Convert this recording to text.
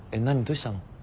どうしたの？